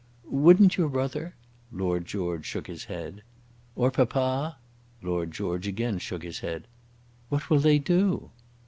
"Wouldn't your brother ?" Lord George shook his head. "Or papa." Lord George again shook his head "What will they do?"